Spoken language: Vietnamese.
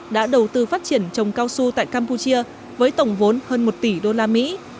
đã đầu tư phát triển trồng cao su tại campuchia với tổng vốn hơn một tỷ đô la mỹ